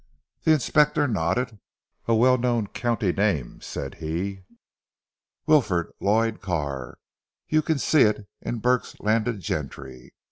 The Inspector nodded. "A well known county name," said he, "Wilfred Lloyd Carr. You can see it in Burke's Landed Gentry.